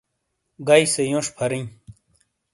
گیئ سے یونش پھَریئں۔